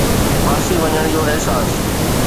ڦاسي وڃڻ جو احساس